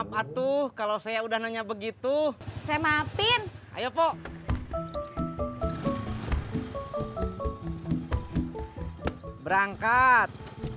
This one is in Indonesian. maafat semua kalau saya udah nanya begitu saya maafin ayo paul berangkat